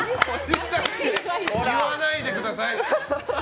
言わないでください。